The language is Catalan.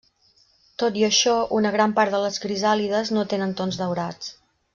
Tot i això, una gran part de les crisàlides no tenen tons daurats.